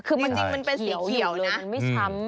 คือจริงมันเป็นสีเขียวเลยนะ